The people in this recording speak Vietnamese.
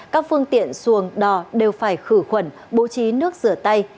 các phương tiện xuồng đò đều phải khử khuẩn bố trí nước rửa tay